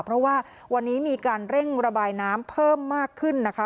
เพราะว่าวันนี้มีการเร่งระบายน้ำเพิ่มมากขึ้นนะคะ